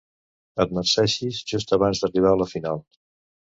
Et marceixis just abans d'arribar a la final.